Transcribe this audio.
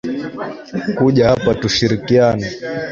Kuja hapa tushirikiane